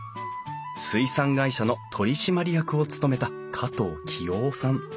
水産会社の取締役を務めた加藤清郎さん。